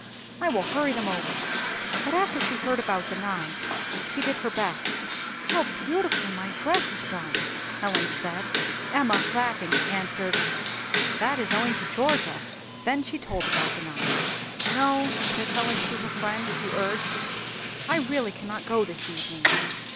"I will hurry them over." But after she heard about the knives, she did her best. "How beautifully my dress is done!" Helen said. Emma, laughing, answered, "That is owing to Georgia." Then she told about the knives. "No," said Helen to her friend who urged, "I really cannot go this evening.